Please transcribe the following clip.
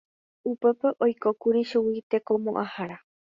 Upépe oikókuri chugui Tekomoʼãhára.